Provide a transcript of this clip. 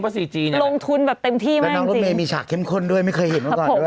แล้วน้องรุ่นเมร์มีฉากเข้มข้นด้วยไม่เคยเห็นกว่าก่อนด้วย